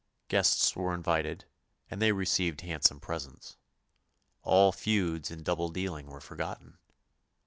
Guests were invited, and they received handsome presents. All feuds and double dealing were forgotten.